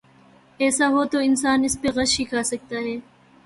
ایسا ہو تو انسان اس پہ غش ہی کھا سکتا ہے۔